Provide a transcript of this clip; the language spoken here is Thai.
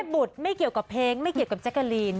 บุตรไม่เกี่ยวกับเพลงไม่เกี่ยวกับแจ๊กกะลีน